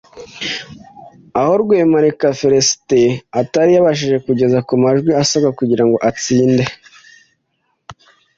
aho Rwemarika Felicitee atari yabashije kugeza ku majwi asabwa kugira ngo atsinde